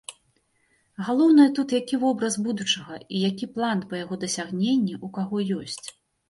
Галоўнае тут, які вобраз будучага і які план па яго дасягненні ў каго ёсць.